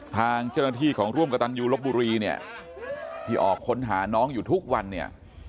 ทางเจ้าหน้าที่ของร่วมกระตันยูลบบุรีเนี่ยที่ออกค้นหาน้องอยู่ทุกวันเนี่ย